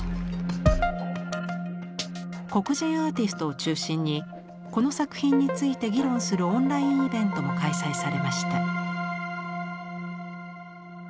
黒人アーティストを中心にこの作品について議論するオンラインイベントも開催されました。